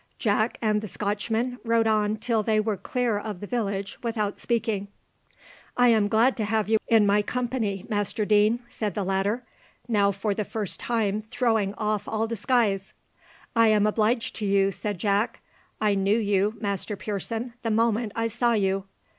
Jack and the Scotchman rode on till they were clear of the village without speaking. "I am glad to have you in my company, Master Deane," said the latter, now for the first time throwing off all disguise. "I am obliged to you," said Jack. "I knew you, Master Pearson, the moment I saw you."